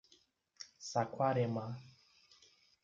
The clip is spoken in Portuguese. Saquarema